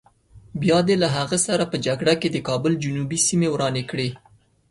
بیا دې له هغه سره په جګړه کې د کابل جنوبي سیمې ورانې کړې.